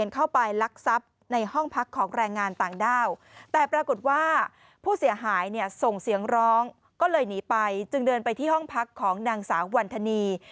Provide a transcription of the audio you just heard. ของนางสาววรรณฑณีย์